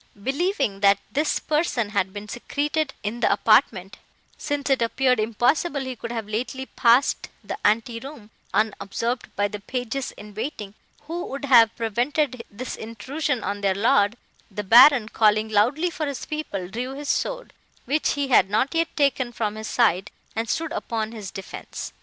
Believing, that this person had been secreted in the apartment, since it appeared impossible he could have lately passed the ante room, unobserved by the pages in waiting, who would have prevented this intrusion on their lord, the Baron, calling loudly for his people, drew his sword, which he had not yet taken from his side, and stood upon his defence.